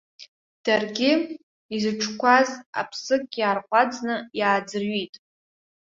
Даргьы, изыҿқәаз аԥсык иаарҟәаҵны иааӡырҩит.